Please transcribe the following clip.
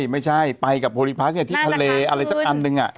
ไม่ใช่ไปกับโพลีพัสเนี่ยที่ทะเลอะไรสักอันหนึ่งอ่ะ